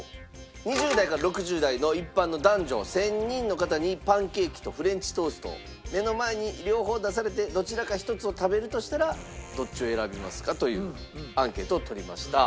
２０代から６０代の一般の男女１０００人の方にパンケーキとフレンチトースト目の前に両方出されてどちらか一つを食べるとしたらどっちを選びますか？というアンケートを取りました。